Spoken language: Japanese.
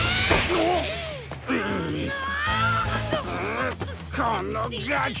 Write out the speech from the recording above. うこのガキ！